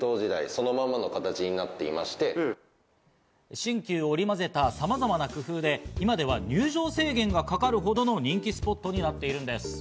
新旧織り交ぜた様々な工夫で今では入場制限がかかるほどの人気スポットになっているんです。